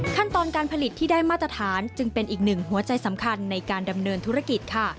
ขั้นตอนการผลิตที่ได้มาตรฐานจึงเป็นอีกหนึ่งหัวใจสำคัญในการดำเนินธุรกิจค่ะ